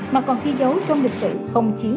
mà còn ghi dấu trong lịch sử không chiến